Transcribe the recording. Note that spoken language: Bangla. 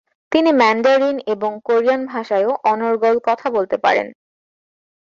তিনি ম্যান্ডারিন এবং কোরিয়ান ভাষায়ও অনর্গল কথা বলতে পারেন।